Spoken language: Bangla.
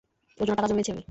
ওর জন্য টাকা জমিয়েছি আমি।